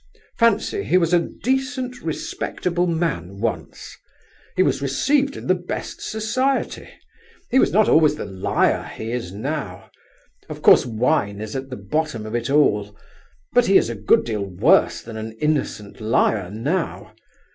Fancy, he was a decent, respectable man once! He was received in the best society; he was not always the liar he is now. Of course, wine is at the bottom of it all; but he is a good deal worse than an innocent liar now.